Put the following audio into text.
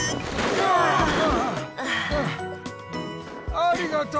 ありがとう！